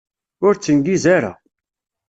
Ur ttengiz ara!